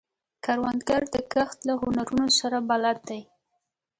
کروندګر د کښت له هنرونو سره بلد دی